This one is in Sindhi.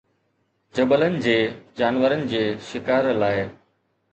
جبلن جي جانورن جي شڪار لاءِ